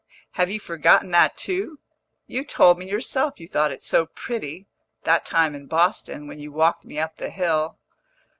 have you forgotten that too? You told me yourself you thought it so pretty, that time in Boston, when you walked me up the hill."